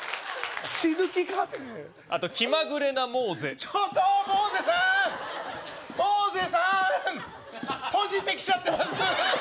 死ぬ気かってあと気まぐれなモーゼちょっとモーゼさんモーゼさん閉じてきちゃってます